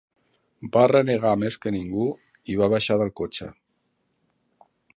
Va renegar més que ningú i va baixar del cotxe